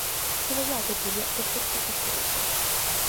შენობა აგებულია ეკლექტიკის სტილში.